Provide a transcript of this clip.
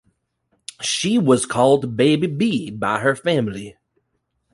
She was called "Baby Bee" by her family.